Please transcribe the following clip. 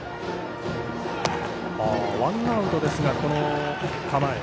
ワンアウトですが、この構え。